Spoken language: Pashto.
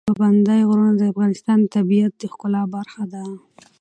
پابندی غرونه د افغانستان د طبیعت د ښکلا برخه ده.